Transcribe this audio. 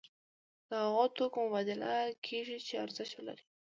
د هغو توکو مبادله کیږي چې ارزښت ولري.